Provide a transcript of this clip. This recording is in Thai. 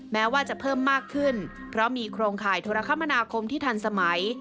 แม้ว่าจะเพิ่มมากขึ้นเพราะมีโครงข่ายโทรคมนาคมที่ทันสมัย